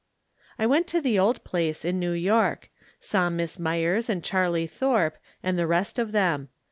I went' to the old place in New York. Saw Miss Myers and Charlie Thorpe, and the rest of them.